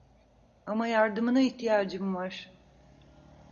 Ama yardımına ihtiyacım var.